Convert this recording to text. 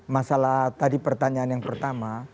masalah tadi pertanyaan yang pertama